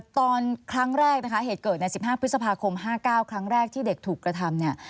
ตอนครั้งแรกเหตุเกิด๑๕พฤษภาคม๕๙ที่เด็กถูกกระทำ